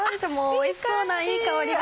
おいしそうないい香りが。